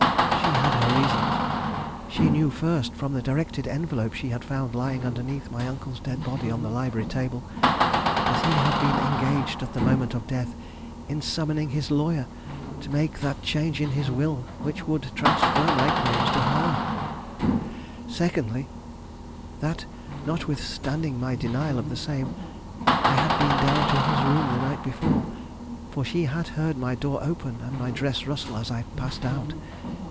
She had her reasons. She knew first, from the directed envelope she had found lying underneath my uncle's dead body on the library table, that he had been engaged at the moment of death in summoning his lawyer to make that change in his will which would transfer my claims to her; secondly, that notwithstanding my denial of the same, I had been down to his room the night before, for she had heard my door open and my dress rustle as I passed out.